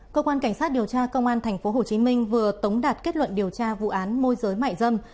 cơ quan cảnh sát điều tra công an tp hcm vừa tống đạt kết luận điều tra vụ án môi giới mại dâm